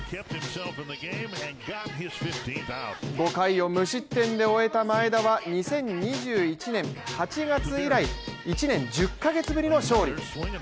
５回を無失点で終えた前田は２０２１年８月以来１年１０か月ぶりの勝利。